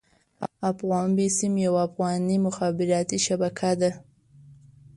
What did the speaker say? افغان بيسيم يوه افغاني مخابراتي شبکه ده.